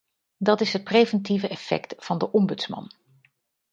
Dat is het preventieve effect van de ombudsman.